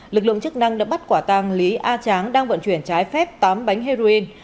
lực lượng chức năng đã bắt quả tàng lý a tráng đang vận chuyển trái phép tám bánh heroin